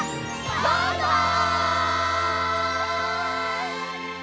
バイバイ！